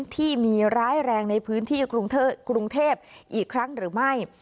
ที่มีร้ายแรงในพื้นที่กรุงเทพอีกครั้งหรือไม่